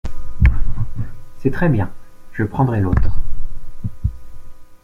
C’est très bien… je prendrai l’autre !…